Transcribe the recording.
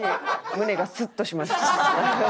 胸がスッとしました。